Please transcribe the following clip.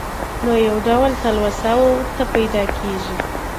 نو يو ډول تلوسه ورته پېدا کيږي.